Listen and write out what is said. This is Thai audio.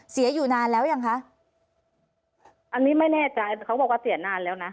อยู่นานแล้วยังคะอันนี้ไม่แน่ใจเขาบอกว่าเสียนานแล้วนะ